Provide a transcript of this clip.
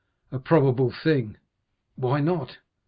"A probable thing!" "Why not?